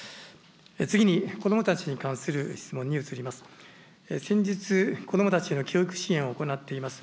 次に子どもたちに関する質問に移ります。